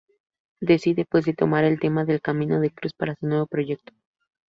Decide pues de tomar el tema del camino de cruz para su nuevo proyecto.